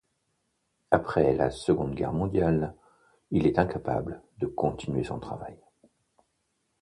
Après la Seconde Guerre mondiale, il est incapable de continuer son travail.